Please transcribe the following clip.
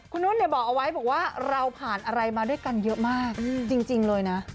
คุณนุ่นบอกเอาไว้บอกว่าเราผ่านอะไรมาด้วยกันเยอะมากจริงเลยนะ